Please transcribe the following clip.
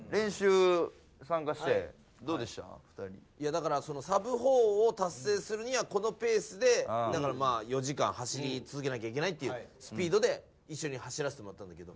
だからサブ４を達成するにはこのペースで４時間走り続けなきゃいけないっていうスピードで一緒に走らせてもらったんだけど。